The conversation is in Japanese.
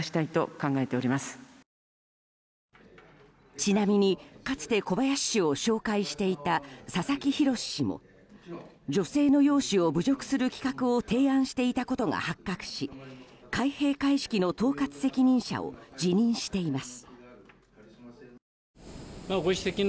ちなみにかつて小林氏を紹介していた佐々木宏氏も女性の容姿を侮辱する企画を提案していたことが発覚し開閉会式の統括責任者を辞任しています。